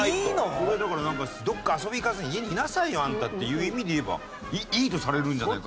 これだからなんかどこか遊びに行かずに家にいなさいよあんたっていう意味で言えばいいとされるんじゃないか。